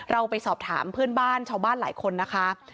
เราไปสอบถามเพื่อนบ้านชาวบ้านหลายคนนะคะ